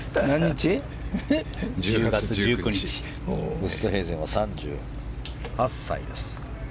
ウーストヘイゼンは３８歳です。